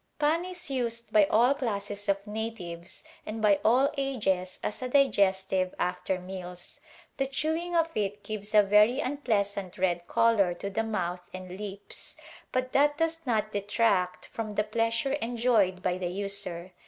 Pan is used by all classes of natives and by all ages as a digestive after meals. The chewing of it gives a very unpleasant red color to the mouth and lips, but that does not detract from the pleasure enjoyed by the user.